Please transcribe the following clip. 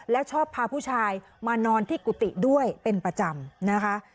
แล้วชอบพาผู้ชายมานอนที่กุฏิด้วยเป็นประจำนะคะ